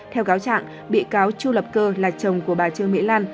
theo cáo trạng bị cáo chu lập cơ là chồng của bà trương mỹ lan